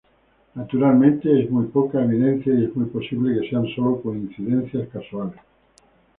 Naturalmente es muy poca evidencia y es muy posible que sean sólo coincidencias casuales.